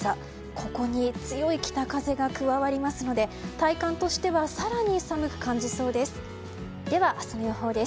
ここに強い北風が加わりますので体感としては更に寒く感じそうです。